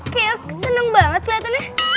kayak seneng banget keliatannya